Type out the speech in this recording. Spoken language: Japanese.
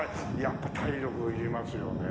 やっぱ体力いりますよね。